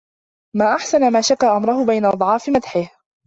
مَا أَحْسَنَ مَا شَكَا أَمْرَهُ بَيْنَ أَضْعَافِ مَدْحِهِ